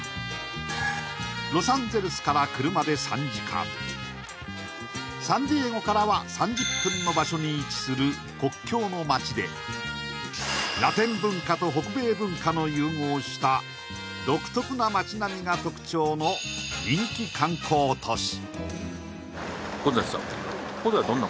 ロサンゼルスから車で３時間サンディエゴからは３０分の場所に位置する国境の街でラテン文化と北米文化の融合した独特な街並みが特徴のゴンザレスさん